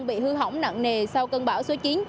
bị hư hỏng nặng nề sau cơn bão số chín